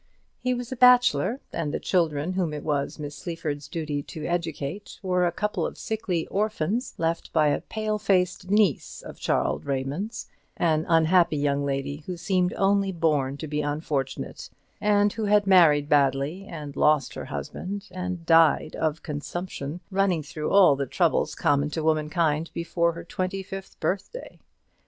He was a bachelor, and the children whom it was Miss Sleaford's duty to educate were a couple of sickly orphans, left by a pale faced niece of Charles Raymond's, an unhappy young lady, who seemed only born to be unfortunate, and who had married badly, and lost her husband, and died of consumption, running through all the troubles common to womankind before her twenty fifth birthday.